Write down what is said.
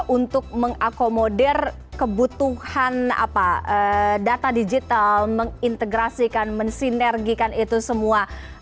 untuk mengakomodir kebutuhan data digital mengintegrasikan mensinergikan itu semua